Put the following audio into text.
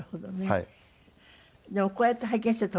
はい。